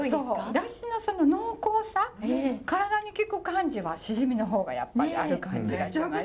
出汁のその濃厚さ体に効く感じはしじみの方がやっぱりある感じがします。